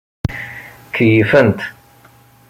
Keyyfent.